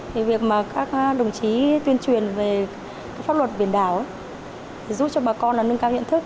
thì việc mà các đồng chí tuyên truyền về pháp luật biển đảo giúp cho bà con nâng cao nhận thức